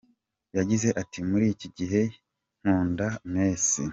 Yagize ati “Muri iki gihe nkunda Messi.